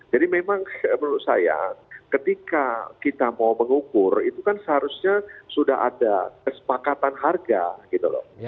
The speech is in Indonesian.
jadi memang menurut saya ketika kita mau mengukur itu kan seharusnya sudah ada kesepakatan harga gitu loh